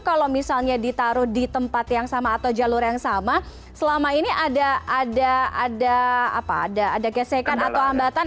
kalau misalnya ditaruh di tempat yang sama atau jalur yang sama selama ini ada gesekan atau hambatan